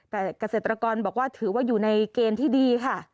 แต่เกษตรกรบอกว่าถือว่าอยู่ในเกณฑ์ที่ดีค่ะ